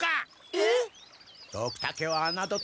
えっ？